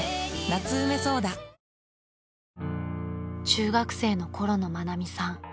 ［中学生の頃の愛美さん］